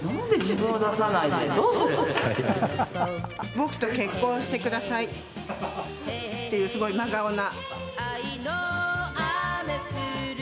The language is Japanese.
僕と結婚してくださいっていうすごい真顔な。